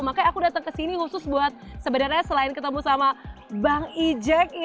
makanya aku dateng kesini khusus buat sebenarnya selain ketemu sama bang ijek